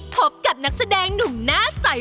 พบกับนักแสดงหนุ่มหน้าใส